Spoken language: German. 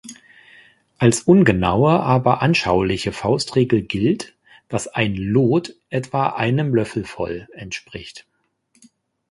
Als ungenaue, aber anschauliche Faustregel gilt, dass ein Lot etwa einem „Löffel voll“ entspricht.